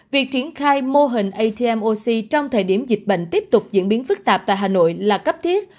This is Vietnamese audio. việc triển khai mô hình atmoc trong thời điểm dịch bệnh tiếp tục diễn biến phức tạp tại hà nội là cấp thiết